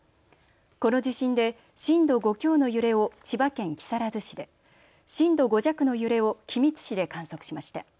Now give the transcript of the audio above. この地震で震度５強の揺れを千葉県木更津市で震度５弱の揺れを君津市で観測しました。